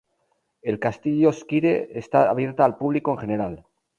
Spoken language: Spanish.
El castillo Squire está abierta al público en general.